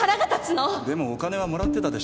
でもお金はもらってたでしょ？